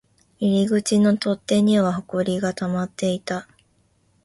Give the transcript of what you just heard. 入り口の取っ手には埃が溜まっていた